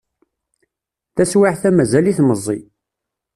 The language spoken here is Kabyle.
Taswiεt-a mazal-it meẓẓi.